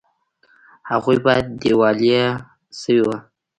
هغوی باید دیوالیه شوي وي